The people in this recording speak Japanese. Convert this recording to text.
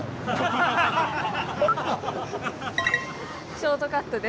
ショートカットで。